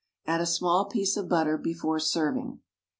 Add a small piece of butter before serving.